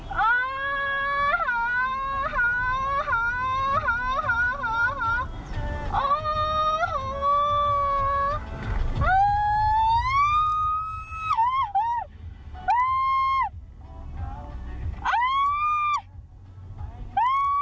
แล้วจะคลิปนี้อีกนิดหนึ่ง